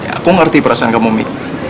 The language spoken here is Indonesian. ya aku ngerti perasaan kamu mi